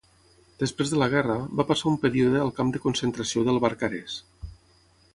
Després de la guerra, va passar un període al camp de concentració del Barcarès.